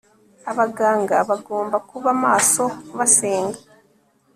Abaganga bagomba kuba maso basenga